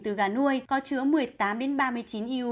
từ gà nuôi có chứa một mươi tám ba mươi chín iuu